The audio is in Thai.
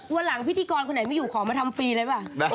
วันหลังพิธีกรคนไหนไม่อยู่ขอมาทำฟรีเลยป่ะ